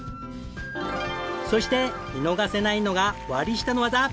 そして見逃せないのが割下の技。